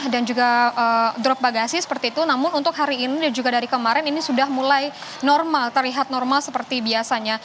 juga drop bagasi seperti itu namun untuk hari ini dan juga dari kemarin ini sudah mulai normal terlihat normal seperti biasanya